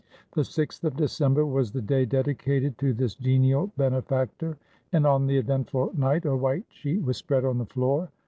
The 6th of December was the day dedicated to this genial benefactor, and on the eventful night a white sheet was spread on the floor.